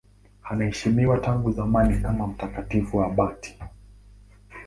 Anaheshimiwa tangu zamani kama mtakatifu abati.